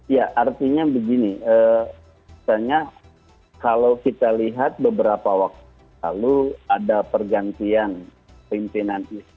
ya artinya begini misalnya kalau kita lihat beberapa waktu lalu ada pergantian pimpinan